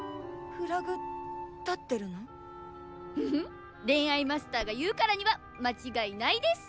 フフッ恋愛マスターが言うからには間違いないです！